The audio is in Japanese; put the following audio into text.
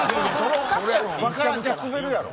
めちゃくちゃすべるやろ。